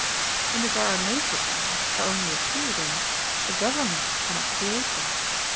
And if there are no such men, or only a few of them, a government cannot create them.